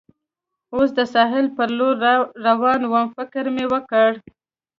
اوس د ساحل پر لور روان ووم، فکر مې وکړ.